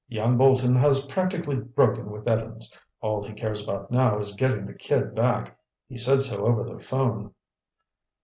"Young Bolton has practically broken with Evans. All he cares about now is getting the kid back. He said so over the phone."